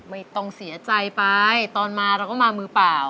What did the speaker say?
ไม่ต้องเสียใจไปตอนมาเราก็มามือเปล่า